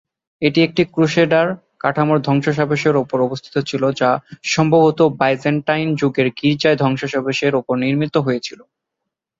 এটি একটি ক্রুসেডার কাঠামোর ধ্বংসাবশেষের উপর অবস্থিত ছিল, যা সম্ভবত বাইজেন্টাইন যুগের গির্জার ধ্বংসাবশেষের উপরে নির্মিত হয়েছিল।